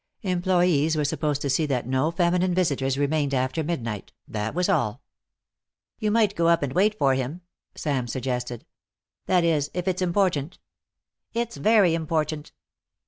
Employees were supposed to see that no feminine visitors remained after midnight, that was all. "You might go up and wait for him," Sam suggested. "That is, if it's important." "It's very important."